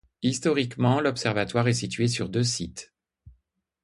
Historiquement, l'observatoire est situé sur deux sites.